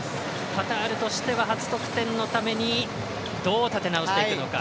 カタールとしては初得点のためにどう立て直していくのか。